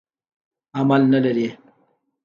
عمل نه لري.